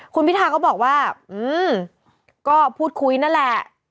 คุณพิธาก็บอกว่าก็พูดคุยนั่นแหละ